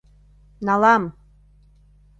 Налам!.